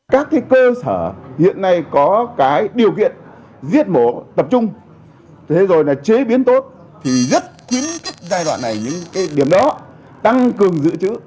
các cơ sở hiện nay có điều kiện giết mổ tập trung chế biến tốt thì rất kiến kích giai đoạn này những điểm đó tăng cường dự trữ